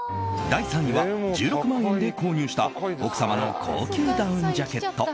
第３位は１６万円で購入した奥様の高級ダウンジャケット。